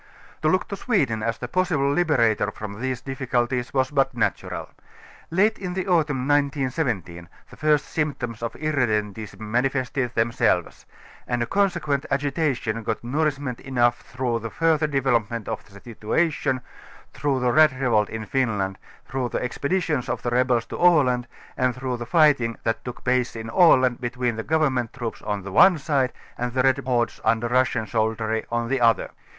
To look to Sweden, as the possible liberator from these difficulties, was but natural. Late in the autumn 1917 the first symptoms of irredentism manifested themselves; and a consequent agitation got nourishment enough through the 19 further flevelopement of the situation, through the red re volt in Finland, through the ex])editions of the rebels to Aland and through the fighting that took place in Aland between the govemmenl; troops, on one side, and the red hordes under Russian soldiery, on the other.